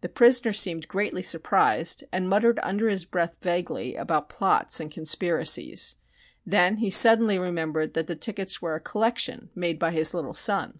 The prisoner seemed greatly surprised and muttered under his breath vaguely about "plots" and "conspiracies." Then he suddenly remembered that the tickets were a "collection," made by his little son.